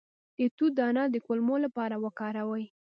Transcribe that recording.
د توت دانه د کولمو لپاره وکاروئ